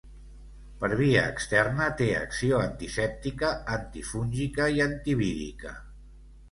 Per via externa té acció antisèptica, antifúngica i antivírica.